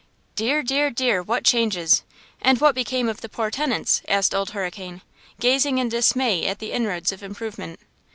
"Dear! dear! dear! what changes! And what became of the poor tenants?" asked Old Hurricane, gazing in dismay at the inroads of improvement.